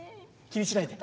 気にしないで。